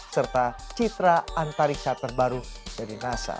serta citra antariksa terbaru dari nasa